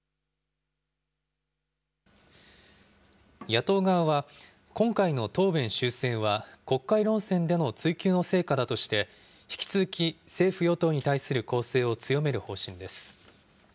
野党側は、今回の答弁修正は国会論戦での追及の成果だとして、引き続き政府・与党に対する攻勢を強める方針です。